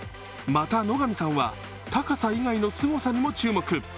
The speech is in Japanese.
また野上さんは高さ以外のすごさにも注目。